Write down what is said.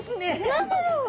何だろう。